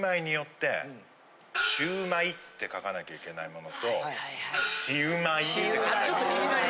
シュウマイって書かなきゃいけないものとシウマイって書かなきゃいけない。